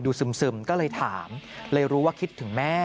ซึมก็เลยถามเลยรู้ว่าคิดถึงแม่